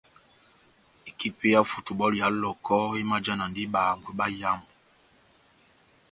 Ekipi yá futubɔlu ya Lɔhɔkɔ emajanadi bahangwi bayamu.